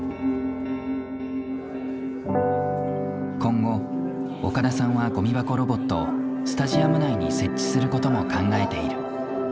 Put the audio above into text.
今後岡田さんはゴミ箱ロボットをスタジアム内に設置することも考えている。